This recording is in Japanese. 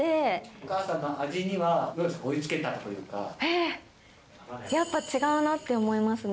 お母さんの味には、どうですやっぱ違うなって思いますね。